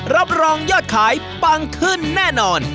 รับรองยอดขายปังขึ้นแน่นอน